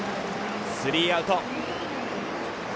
スリーアウト。